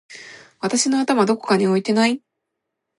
私の頭どこかに置いてない？！